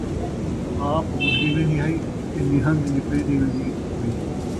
آپ ٻݙدی وین٘دی ہئی تیں نیہن٘گ نپڑین٘دی وین٘دی ہئی